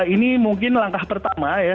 ini mungkin langkah pertama ya